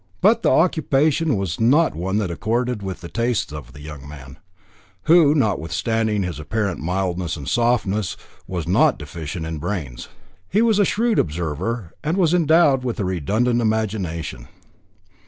But the occupation was not one that accorded with the tastes of the young man, who, notwithstanding his apparent mildness and softness, was not deficient in brains. He was a shrewd observer, and was endowed with a redundant imagination.